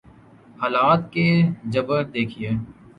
حالات کا جبر دیکھیے۔